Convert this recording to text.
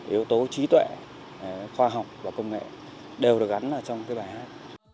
yếu tố trí tuệ khoa học và công nghệ đều được gắn vào trong cái bài hát